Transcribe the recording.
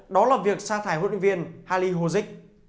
đó là việc xa thải huấn luyện viên hali hozik